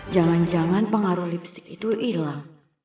jangan jangan pengaruh lipstick itu hilang